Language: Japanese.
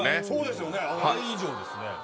そうですよね。